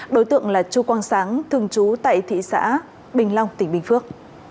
đối tượng là chu quang sáng thường trú tại thị xã bình long tỉnh bình phước